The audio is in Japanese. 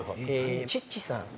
チッチさん。